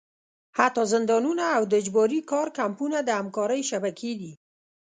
حتی زندانونه او د اجباري کار کمپونه د همکارۍ شبکې دي.